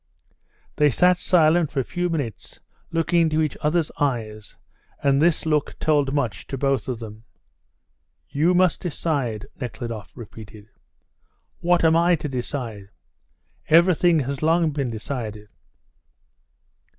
They sat silent for a few minutes looking into each other's eyes, and this look told much to both of them. "You must decide," Nekhludoff repeated. "What am I to decide? Everything has long been decided."